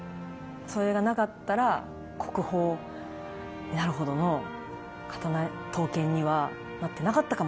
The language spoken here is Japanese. それがなかったら国宝になるほどの刀剣にはなってなかったかもしれない。